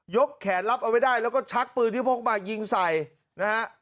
แขนรับเอาไว้ได้แล้วก็ชักปืนที่พกมายิงใส่นะฮะ